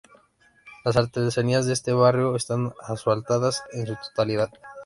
Las arterias de este barrio están asfaltadas en su totalidad.